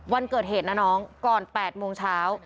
วันเกิดเหตุนะน้องก่อน๘โมงเช้า